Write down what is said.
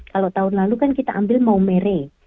kalau tahun lalu kan kita ambil mau mere